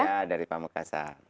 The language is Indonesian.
ya dari pamekasan